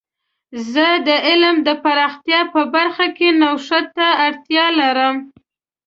زه د علم د پراختیا په برخه کې نوښت ته اړتیا لرم.